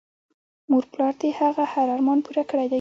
مور پلار د هغه هر ارمان پوره کړی دی